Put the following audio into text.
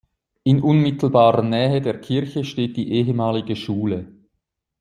In unmittelbarer Nähe der Kirche steht die ehemalige Schule.